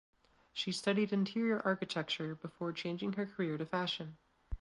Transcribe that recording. She studied Interior Architecture before changing her career to fashion.